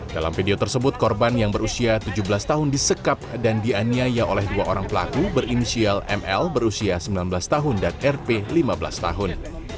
dalam video tersebut korban yang berusia tujuh belas tahun disekap dan dianiaya oleh dua orang pelaku berinisial ml berusia sembilan belas tahun dan rp lima belas tahun